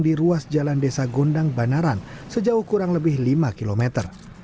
di ruas jalan desa gondang banaran sejauh kurang lebih lima kilometer